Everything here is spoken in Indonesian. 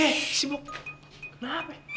eh sibuk kenapa ya